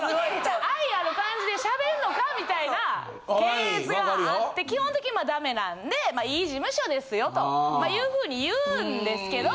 愛ある感じでしゃべんのかみたいな検閲があって基本的にダメなんでまあいい事務所ですよというふうに言うんですけど。